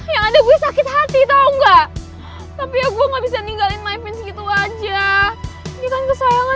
yang ada gue sakit hati tau gak